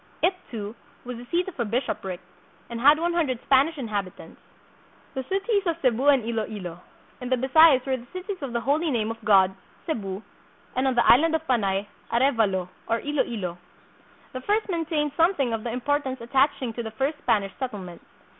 It, too, was the seat of a bishopric, and had one hundred Spanish inhabit ants. The Cities of Cebu and Iloilo. In the Bisayas were the Cities of the Holy Name of God (Cebu), and on the island of Panay, Arevalo (or Iloilo). The first maintained something of the importance attaching to the first Spanish settlement.